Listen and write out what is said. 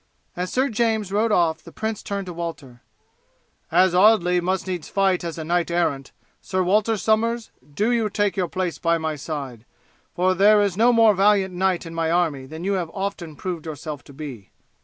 As Sir James rode off the prince turned to Walter. "As Audley must needs fight as a knight errant, Sir Walter Somers, do you take your place by my side, for there is no more valiant knight in my army than you have often proved yourself to be."